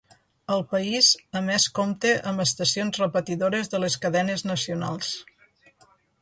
El país a més compta amb estacions repetidores de les cadenes nacionals.